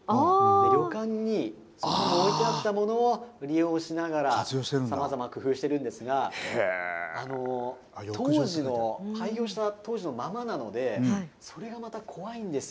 旅館に置いてあったものを利用しながらさまざまな工夫をしているんですが廃業した当時のままなのでそれがまた怖いんですよ。